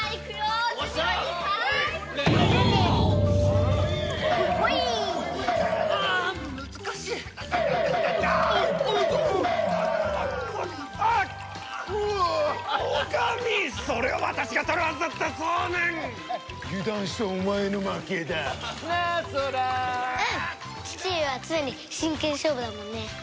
父上は常に真剣勝負だもんね。